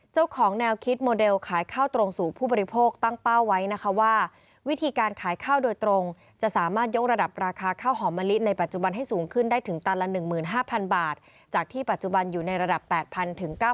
เจ้าของแนวคิดโมเดลขายข้าวตรงสู่ผู้บริโภคตั้งเป้าไว้นะคะว่าวิธีการขายข้าวโดยตรงจะสามารถยกระดับราคาข้าวหอมมะลิในปัจจุบันให้สูงขึ้นได้ถึงตันละ๑๕๐๐บาทจากที่ปัจจุบันอยู่ในระดับ๘๐๐ถึง๙๐